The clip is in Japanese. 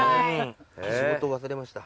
仕事を忘れました。